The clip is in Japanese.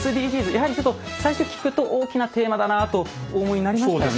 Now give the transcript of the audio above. やはりちょっと最初聞くと大きなテーマだなあとお思いになりましたよね。